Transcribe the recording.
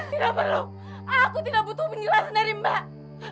tidak perlu aku tidak butuh penjelasan dari mbak